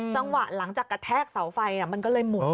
จังหวะหลังจากกระแทกเสาไฟมันก็เลยหมุน